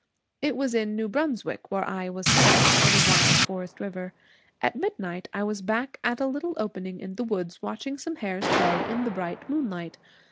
It was in New Brunswick, where I was camped on a wild forest river. At midnight I was back at a little opening in the woods, watching some hares at play in the bright moonlight.